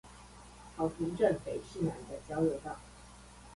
草屯鎮北勢湳的交流道